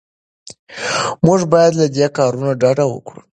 موږ باید له دې کارونو ډډه وکړو.